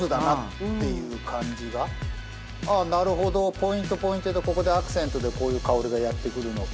ああなるほどポイントポイントでここでアクセントでこういう香りがやってくるのか。